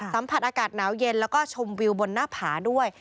สัมผัสอากาศหนาวเย็นแล้วก็ชมวิวบนหน้าผาด้วย